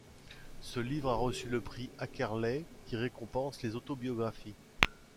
Ce livre a reçu le prix Ackerley, qui récompense les autobiographies.